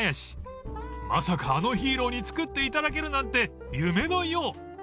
［まさかあのヒーローに作っていただけるなんて夢のよう！］